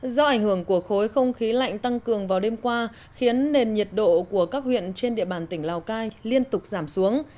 do ảnh hưởng của khối không khí lạnh tăng cường vào đêm qua khiến nền nhiệt độ của các huyện trên địa bàn tỉnh lào cai liên tục giảm xuống